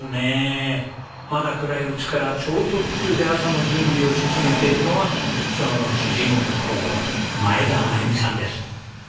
まだ暗いうちから超特急で朝の準備を進めているのは今日の主人公前田真由美さんです。